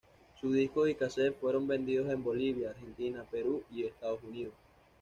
Sus discos y casetes fueron vendidos en Bolivia, Argentina, Perú y Estados Unidos.